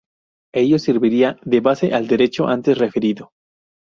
Ello serviría de base al Decreto antes referido.